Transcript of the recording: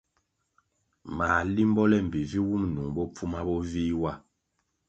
Mā limbo le mbpi vi wum nung bopfuma bo vih wa.